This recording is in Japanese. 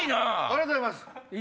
ありがとうございます。